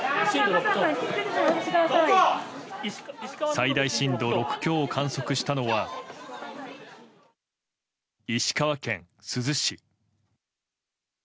最大震度６強を観測したのは石川県珠洲市。